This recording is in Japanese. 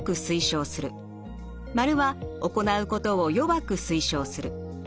○は行うことを弱く推奨する。